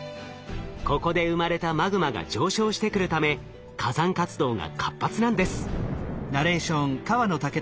ここで生まれたマグマが上昇してくるため火山活動が活発なんです。